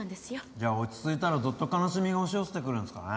じゃあ落ち着いたらどっと悲しみが押し寄せてくるんですかね？